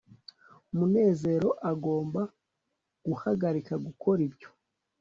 munezero agomba guhagarika gukora ibyo